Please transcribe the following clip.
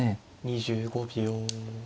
２５秒。